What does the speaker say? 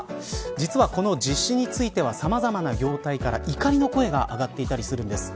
実はこの実施についてはさまざまな業態から怒りの声が上がっていたりするんです。